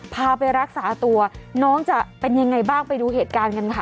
พาไปรักษาตัวน้องจะเป็นยังไงบ้างไปดูเหตุการณ์กันค่ะ